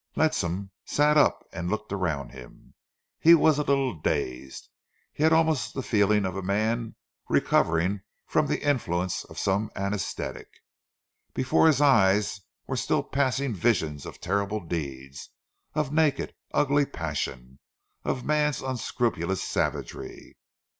Ledsam sat up and looked around him. He was a little dazed. He had almost the feeling of a man recovering from the influence of some anaesthetic. Before his eyes were still passing visions of terrible deeds, of naked, ugly passion, of man's unscrupulous savagery.